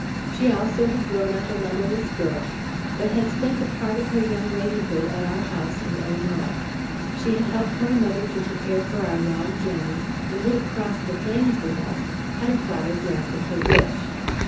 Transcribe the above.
She also had grown up a motherless girl, but had spent a part of her young ladyhood at our home in Illinois. She had helped my mother to prepare for our long journey and would have crossed the plains with us had her father granted her wish.